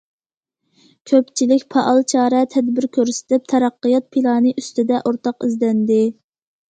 كۆپچىلىك پائال چارە- تەدبىر كۆرسىتىپ، تەرەققىيات پىلانى ئۈستىدە ئورتاق ئىزدەندى.